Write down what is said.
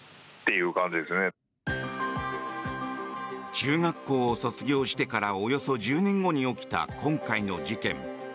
中学校を卒業してからおよそ１０年後に起きた今回の事件。